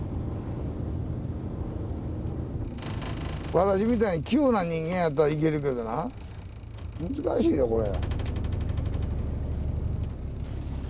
私みたいに器用な人間やったらいけるけどな難しいよこれ。